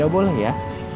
ya boleh ya